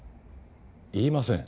言いません。